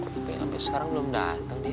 tapi sampai sekarang belum datang dia